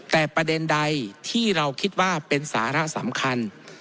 แต่ประเด็นใดที่เราคิดว่าเป็นสาระสำคัญ